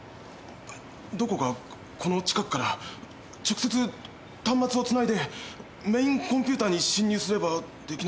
どこかこの近くから直接端末をつないでメーンコンピューターに侵入すればできないことは。